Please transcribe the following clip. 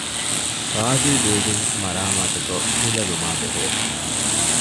ޣާޒީ ބިލްޑިންގ މަރާމާތުކޮށް ކުލަލުމާބެހޭ